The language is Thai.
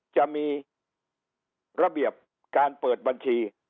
จะมีระเบียบการเปิดบัญชี